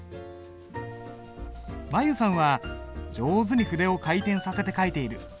舞悠さんは上手に筆を回転させて書いている。